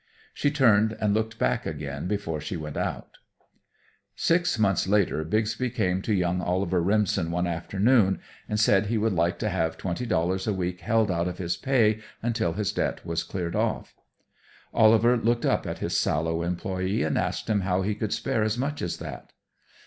She turned and looked back again before she went out. Six months later Bixby came to young Oliver Remsen one afternoon and said he would like to have twenty dollars a week held out of his pay until his debt was cleared off. Oliver looked up at his sallow employee and asked him how he could spare as much as that.